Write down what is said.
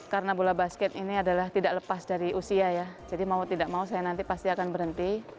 karena bola basket ini adalah tidak lepas dari usia ya jadi mau tidak mau saya nanti pasti akan berhenti